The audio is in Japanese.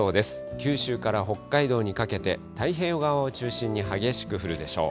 九州から北海道にかけて、太平洋側を中心に激しく降るでしょう。